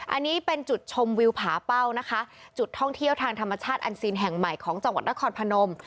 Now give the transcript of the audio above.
อันนี้เป็นจุดชมวิวผาเป้านะคะจุดท่องเที่ยวทางธรรมชาติอันซีนแห่งใหม่ของจังหวัดนครพนม